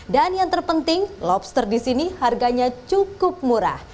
yang terpenting lobster di sini harganya cukup murah